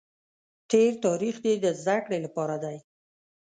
تېر تاریخ دې د زده کړې لپاره دی.